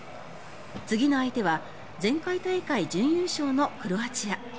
次の相手は前回大会準優勝のクロアチア。